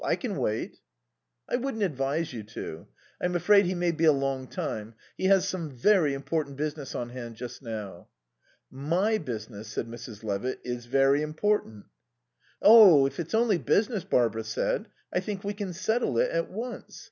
I can wait." "I wouldn't advise you to. I'm afraid he may be a long time. He has some very important business on hand just now." "My business," said Mrs. Levitt, "is very important." "Oh, if it's only business," Barbara said, "I think we can settle it at once.